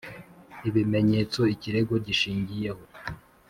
ibimenyetso ikirego gishingiyeho